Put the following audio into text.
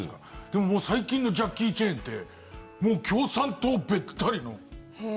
でも最近のジャッキー・チェンってもう共産党べったりの。